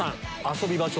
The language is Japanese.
遊び場所